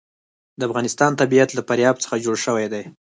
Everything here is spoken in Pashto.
د افغانستان طبیعت له فاریاب څخه جوړ شوی دی.